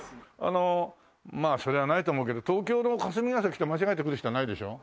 まあそりゃないと思うけど東京の霞ケ関と間違えて来る人はいないでしょ？